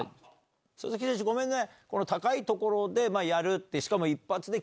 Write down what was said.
佐々木選手ごめんね。